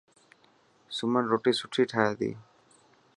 سمن روٽي سٺي ٺاهي تي.